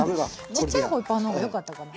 ちっちゃいホイッパーの方がよかったかな。